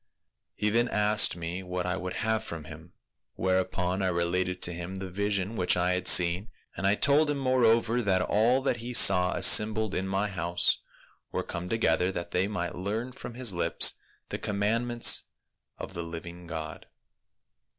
He then asked me what I would have from him, whereupon I related to him the vision which I had seen ; and I told him more over, that all that he saw assembled in my house were come together that they might learn from his lips the commandments of the living God.